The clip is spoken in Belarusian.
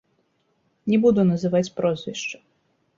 Не буду называць прозвішчы.